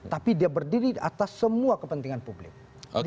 tapi dia berdiri atas semua kepentingan publik